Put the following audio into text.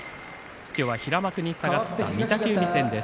今日は平幕に下がった御嶽海戦です。